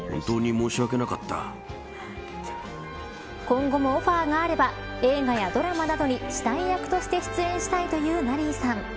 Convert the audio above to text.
今後もオファーがあれば映画やドラマなどに死体役として出演したいというナリーさん。